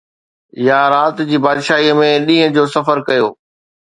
يا رات جي بادشاهي ۾ ڏينهن جو سفر ڪيو؟